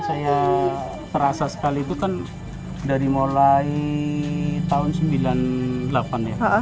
saya terasa sekali itu kan dari mulai tahun sembilan puluh delapan ya